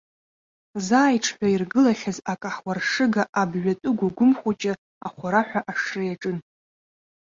Заа иҽҳәаиргылахьаз акаҳуаршыга абҩатәы гәыгәым хәыҷы ахәараҳәа ашра иаҿын.